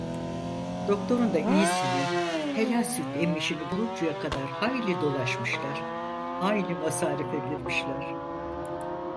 Doktorun da iyisini, helal süt emmişini buluncaya kadar hayli dolaşmışlar, hayli masarife girmişler.